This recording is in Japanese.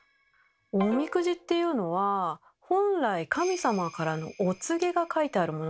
おみくじっていうのは本来神様からのお告げが書いてあるものなんですね。